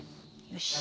よし。